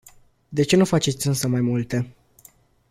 De ce nu faceți însă mai multe?